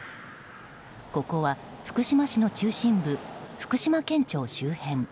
ここは福島市の中心部福島県庁周辺。